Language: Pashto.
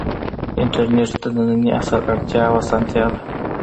انټرنیټ د ننني عصر اړتیا او اسانتیا ده.